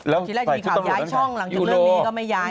ทีแรกมีข่าวย้ายช่องหลังจากเรื่องนี้ก็ไม่ย้าย